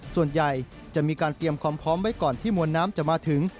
ส่วนใหญ่จะมีการเตรียมความพร้อมไว้ก่อนที่มวลน้ำจะมาถึง